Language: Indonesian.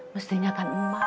mestinya akan emas